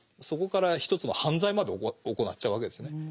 そこから一つの犯罪までおこなっちゃうわけですね。